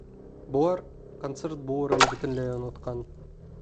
Былар концерт булырын бөтөнләй онотҡан.